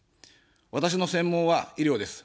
私の専門は医療です。